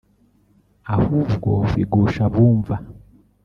ahubwo bigusha abumva